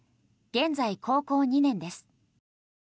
現在、高校２年です。